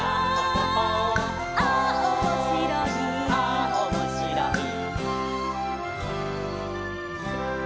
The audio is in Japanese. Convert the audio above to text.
「ああおもしろい」「」